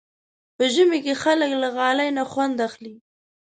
په ژمي کې خلک له غالۍ نه خوند اخلي.